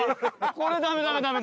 これはダメダメダメダメ。